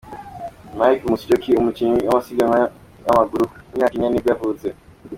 Mike Musyoki, umukinnyi w’amasiganwa y’amaguru w’umunyakenya ni bwo yavutse.